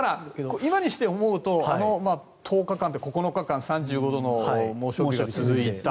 今にして思うと１０日間、９日間３５度以上の猛暑日が続いた。